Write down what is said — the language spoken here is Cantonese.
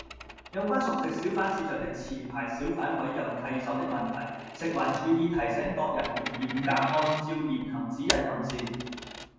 有關熟食小販市場的持牌小販委任替手的問題，食環署已提醒各人員嚴格按照現行指引行事